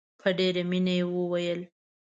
په ډېره مینه یې وویل.